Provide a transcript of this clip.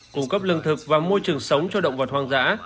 cung cấp lương thực và môi trường sống cho động vật hoang dã